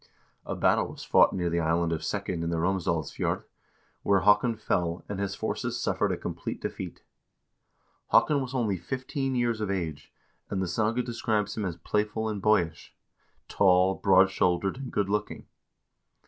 A battle was fought near the island of Sekken in the Romsdalsfjord, where Haakon fell, and his forces suffered a complete defeat. Haakon was only fifteen years of age, and the saga describes him as playful and boyish; tall, broad shouldered, and good looking.